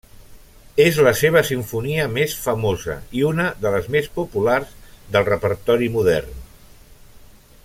És la seva simfonia més famosa i una de les més populars del repertori modern.